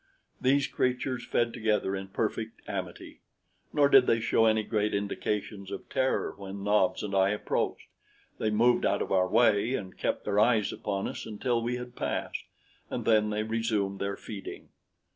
These creatures fed together in perfect amity; nor did they show any great indications of terror when Nobs and I approached. They moved out of our way and kept their eyes upon us until we had passed; then they resumed their feeding.